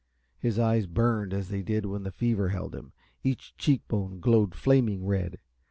His eyes burned as they did when the fever held him; each cheek bone glowed flaming red.